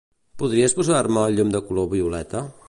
Podries posar-me el llum de color violeta?